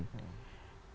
di afrika selatan ya